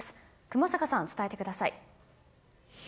熊坂さん、伝えてください。